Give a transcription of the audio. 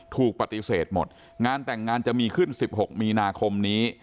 ถูกปฏิเสธหมดงานแต่งงานจะมีขึ้น๑๖มีนาคมนี้